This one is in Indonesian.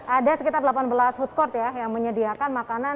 ada sekitar delapan belas food court ya yang menyediakan makanan